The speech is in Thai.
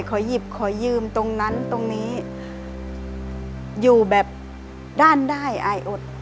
ขอหยิบขอยืมตรงนั้นตรงนี้อยู่แบบด้านได้อายอด